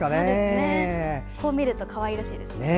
こう見るとかわいらしいですね。